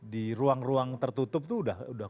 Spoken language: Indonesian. di ruang ruang tertutup tuh udah